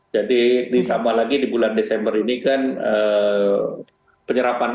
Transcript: jadi sama lagi di bulan desember ini kan penyerapan